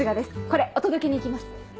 これお届けに行きます。